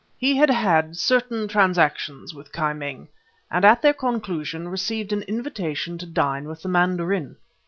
"He had had certain transactions with Ki Ming, and at their conclusion received an invitation to dine with the mandarin.